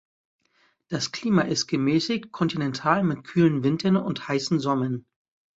Das Klima ist gemäßigt kontinental mit kühlen Wintern und heißen Sommern.